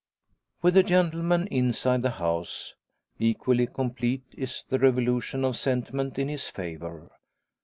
With the gentlemen inside the house, equally complete is the revolution of sentiment in his favour.